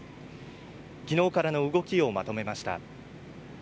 昨日からの動きをまとめました。